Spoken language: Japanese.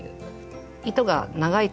糸が長い。